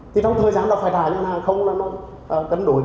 thì trong thời gian đó phải trả ngân hàng không là nó cấn đổi